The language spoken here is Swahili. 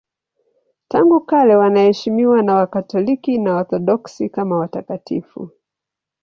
Tangu kale wanaheshimiwa na Wakatoliki na Waorthodoksi kama watakatifu.